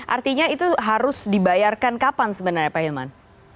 artinya itu harus dibayarkan kapan sebenarnya pak hilman